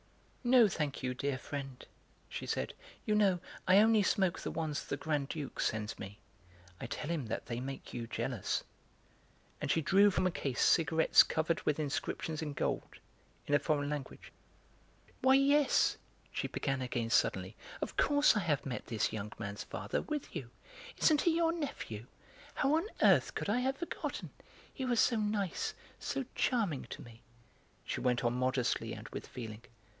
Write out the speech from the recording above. "No, thank you, dear friend," she said. "You know I only smoke the ones the Grand Duke sends me. I tell him that they make you jealous." And she drew from a case cigarettes covered with inscriptions in gold, in a foreign language. "Why, yes," she began again suddenly. "Of course I have met this young man's father with you. Isn't he your nephew? How on earth could I have forgotten? He was so nice, so charming to me," she went on, modestly and with feeling.